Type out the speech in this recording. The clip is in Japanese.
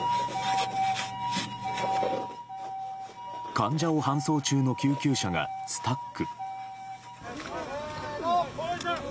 患者を搬送中の救急車がスタック。